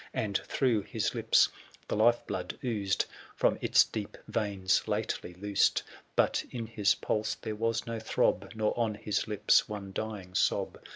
And through his lips the life blood oozed, From its deep veins lately loosed; But in his pulse there was no throb, Nor on his lips one dying sob ; 84.